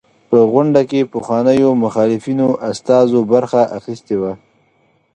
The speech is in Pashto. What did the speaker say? په دې غونډه کې پخوانيو مخالفینو استازو برخه اخیستې وه.